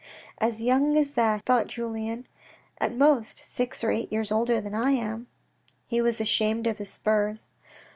"As young as that," thought Julien. " At most six or eight years older than I am !" He was ashamed of his spurs.'